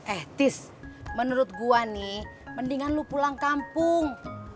eh tis menurut gua nih mendingan lu pulang kampung